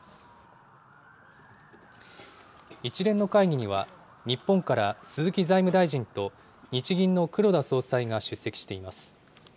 一連の会議には、日本から鈴木財務大臣と日銀の黒田総裁が出席しています。